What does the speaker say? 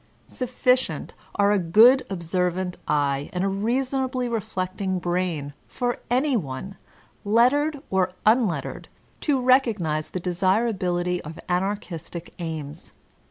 Sufficient are a good observant eye and a reasonably reflecting brain, for anyone, lettered or unlettered, to recognize the desirability of Anarchistic aims.